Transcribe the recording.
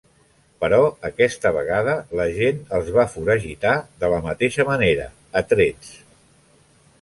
Però aquesta vegada la gent els va foragitar de la mateixa manera, a trets.